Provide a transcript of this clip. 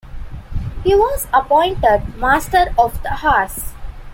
He was appointed Master of the Horse.